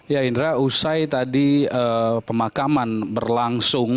ya indra usai tadi pemakaman berlangsung